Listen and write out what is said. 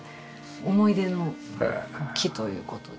思い出の木という事で。